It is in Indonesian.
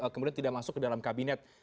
kemudian tidak masuk ke dalam kabinet